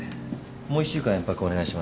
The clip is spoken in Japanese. もう１週間延泊お願いします。